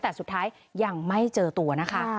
แต่สุดท้ายยังไม่เจอตัวนะคะ